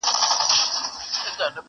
په مجلس کي به یې وویل نظمونه،